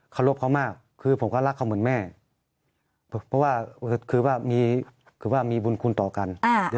รบเขามากคือผมก็รักเขาเหมือนแม่เพราะว่าคือว่าคือว่ามีบุญคุณต่อกัน